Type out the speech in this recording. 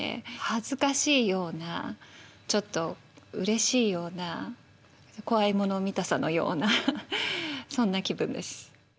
恥ずかしいようなちょっとうれしいような怖いもの見たさのようなそんな気分です。